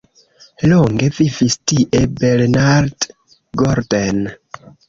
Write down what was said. Longe vivis tie Bernard Golden.